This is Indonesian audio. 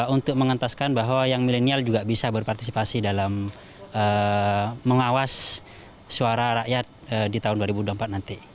untuk mengentaskan bahwa yang milenial juga bisa berpartisipasi dalam mengawas suara rakyat di tahun dua ribu dua puluh empat nanti